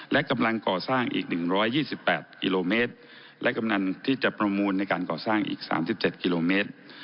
และกำลังก่อสร้างอีก๑๒๘กิโลเมตรและกำนันที่จะประมูลในการก่อสร้างอีก๓๗กิโลเมตร